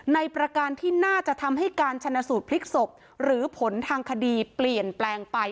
ประการที่น่าจะทำให้การชนะสูตรพลิกศพหรือผลทางคดีเปลี่ยนแปลงไป